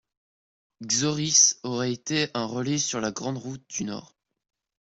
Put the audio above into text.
Xhoris aurait été un relais sur la grand'route du nord.